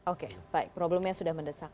oke baik problemnya sudah mendesak